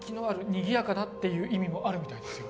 「にぎやかな」っていう意味もあるみたいですよ